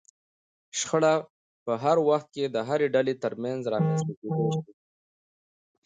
شخړه په هر وخت کې د هرې ډلې ترمنځ رامنځته کېدای شي.